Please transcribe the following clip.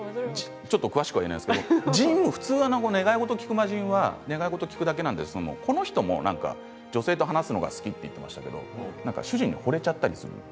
ちょっと詳しくは言えないんですけど、ジンは願い事を聞く魔人は、普通願い事を聞くだけなんですがこのジンは女性と話すことが好きと言ってましたが主人にほれてしまったりします。